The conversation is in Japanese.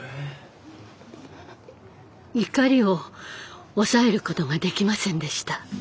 怒りを抑えることができませんでした。